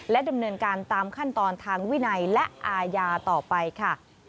ดำเนินการตามขั้นตอนทางวินัยและอาญาต่อไปค่ะ